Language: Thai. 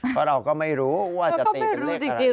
แต่เราก็ไม่รู้จะจะตีเป็นเลขอะไรบ้าง